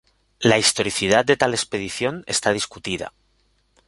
La historicidad de tal expedición está discutida.